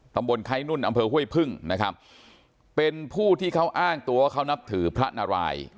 ตำบลไข้นุ่นอำเภอห้วยพึ่งนะครับเป็นผู้ที่เขาอ้างตัวว่าเขานับถือพระนาราย